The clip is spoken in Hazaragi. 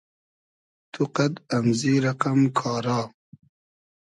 تو قئد امزی رئقئم کارا